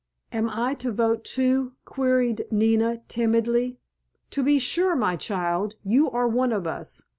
"Am I to vote, too?" queried Nina timidly. "To be sure, my child. You are one of us.